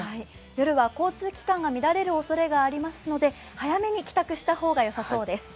夜は交通機関が乱れるおそれがありますので早めに帰宅した方が良さそうです。